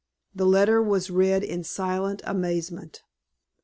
This letter was read in silent amazement.